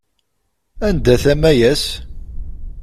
Anda-t Amayas?